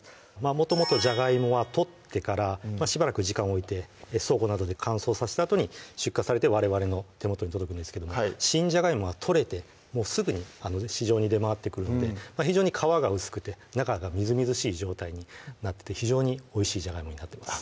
もともとじゃがいもは採ってからしばらく時間を置いて倉庫などで乾燥させたあとに出荷されてわれわれの手元に届くんですけども新じゃがいもは採れてすぐに市場に出回ってくるので非常に皮が薄くて中がみずみずしい状態になってておいしいじゃがいもになってます